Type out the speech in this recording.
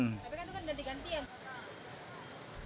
ganti ganti yang satu